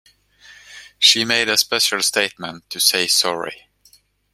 She made a special statement to say sorry